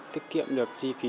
tiết kiệm được chi phí